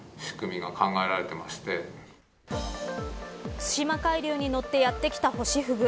対馬海流に乗ってやってきたホシフグ。